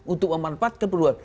untuk memanfaatkan keperluan